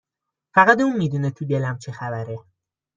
فقط اون میدونه تو دلم چه خبره